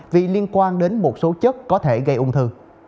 vì liên quan đến một số chất có thể gây ung thư